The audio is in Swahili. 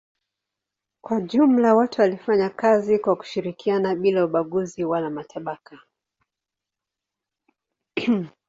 Kwa jumla watu walifanya kazi kwa kushirikiana bila ubaguzi wala matabaka.